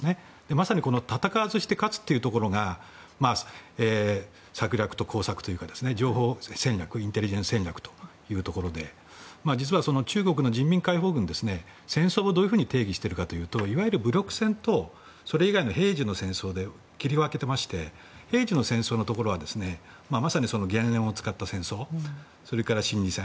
まさにこの戦わずして勝つというところが策略と工作というか、情報戦略インテリジェンス戦略で実は、中国の人民解放軍が戦争をどう定義しているかというといわゆる武力戦とそれ以外の平時の戦争で切り分けていまして平時の戦争のところは言論を使った戦争それから心理戦。